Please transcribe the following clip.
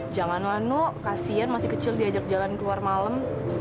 janganlah nuk kasian masih kecil diajak jalan keluar malam